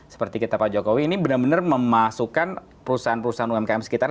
seperti kata pak jokowi ini benar benar memasukkan perusahaan perusahaan umkm sekitar